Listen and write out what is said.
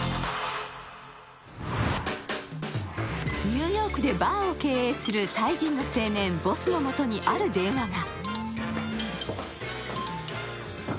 ニューヨークでバーを経営するタイ人の青年、ボスの元にある電話が。